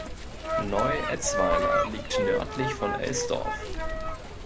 Neu-Etzweiler liegt nördlich von Elsdorf.